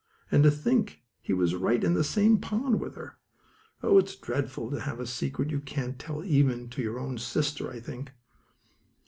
And to think he was right in the same pond with her! Oh, it's dreadful to have a secret you can't tell even to your own sister, I think.